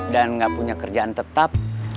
dan gak punya kerjaan tetap